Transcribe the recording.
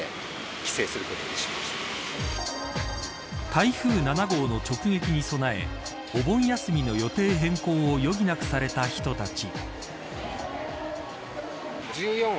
台風７号の直撃に備えお盆休みの予定変更を余儀なくされた人たち。